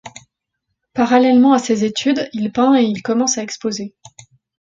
Parallèlement à ses études, il peint et il commence à exposer.